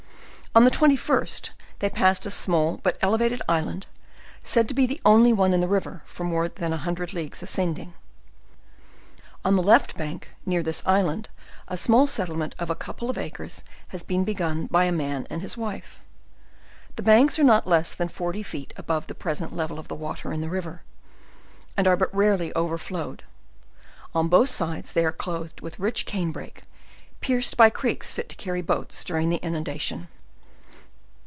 On the 21st they passed a small, but elevated island, said to be the only one in the riv er tor. more than one hundred leagues, ascending. On the left bank, near this island, a small settlement of a couple of acres has been begun by a man and his wife. The banks are not less than forty feet above the present level of the wa ter in the river, and are but rarely overflowed; on both sides they are clothed with rich cane brake, pierced by creeks fit to carry boats during the inundation.